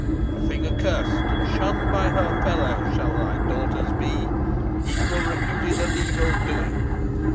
A thing accursed, and shunned by her fellows, shall thy daughter be evil reputed and evil doing.